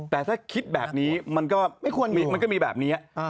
แต่ถ้าคิดแบบนี้มันก็มีแบบนี้